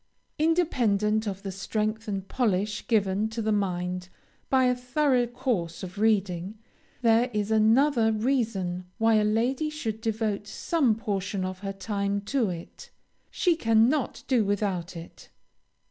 Independent of the strength and polish given to the mind by a thorough course of reading, there is another reason why a lady should devote some portion of her time to it; she cannot do without it.